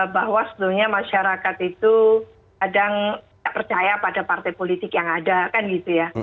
bahwa sebetulnya masyarakat itu kadang tidak percaya pada partai politik yang ada kan gitu ya